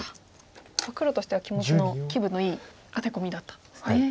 黒としては気分のいいアテコミだったんですね。